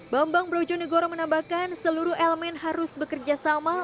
bambang brojonegoro menambahkan seluruh elemen harus bekerjasama